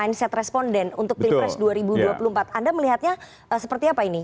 mindset responden untuk pilpres dua ribu dua puluh empat anda melihatnya seperti apa ini